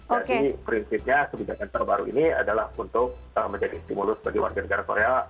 jadi prinsipnya sebijak yang terbaru ini adalah untuk menjadi stimulus bagi warga negara korea